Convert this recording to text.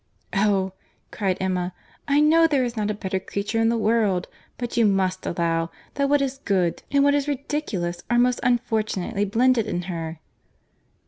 "Oh!" cried Emma, "I know there is not a better creature in the world: but you must allow, that what is good and what is ridiculous are most unfortunately blended in her."